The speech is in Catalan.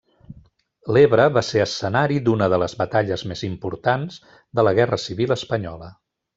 L'Ebre va ser escenari d'una de les batalles més importants de la Guerra Civil espanyola.